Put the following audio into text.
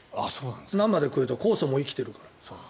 生で食えたら酵素も生きているから。